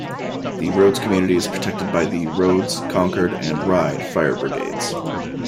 The Rhodes community is protected by the Rhodes, Concord and Ryde Fire Brigades.